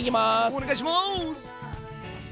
お願いします。